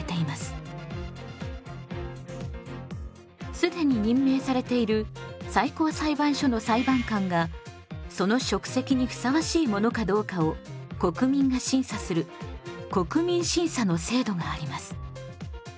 既に任命されている最高裁判所の裁判官がその職責にふさわしい者かどうかを国民が審査する国民審査の制度があります。